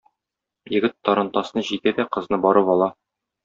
Егет тарантасны җигә дә кызны барып ала.